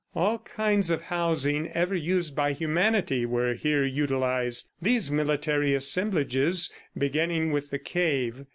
All kinds of housing ever used by humanity were here utilized, these military assemblages beginning with the cave.